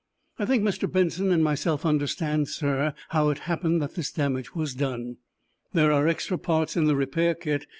"I think Mr. Benson and myself understand, sir, how it happened that this damage was done. There are extra parts in the repair kit.